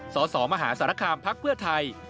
สสมหาสารคามพักเพื่อไทย